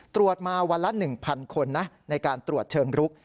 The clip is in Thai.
ตรวจมาวันละ๑๐๐คนนะในการตรวจเชิงรุก